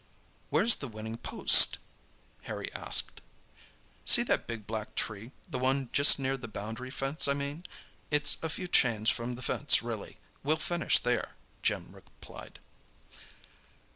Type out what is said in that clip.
"Where's the winning post?" Harry asked. "See that big black tree—the one just near the boundary fence, I mean? It's a few chains from the fence, really. We'll finish there," Jim replied.